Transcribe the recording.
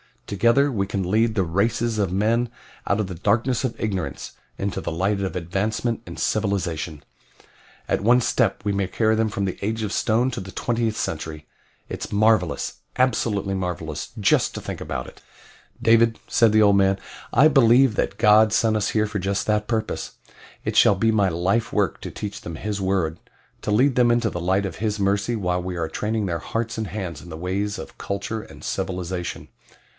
Together we can lead the races of men out of the darkness of ignorance into the light of advancement and civilization. At one step we may carry them from the Age of Stone to the twentieth century. It's marvelous absolutely marvelous just to think about it." "David," said the old man, "I believe that God sent us here for just that purpose it shall be my life work to teach them His word to lead them into the light of His mercy while we are training their hearts and hands in the ways of culture and civilization."